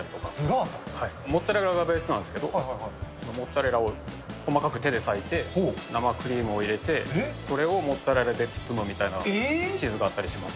モッツァレラがベースなんですけど、モッツァレラを細かく手で裂いて、生クリームを入れて、それをモッツァレラで包むみたいなチーズがあったりします。